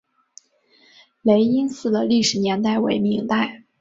雷音寺的历史年代为明代。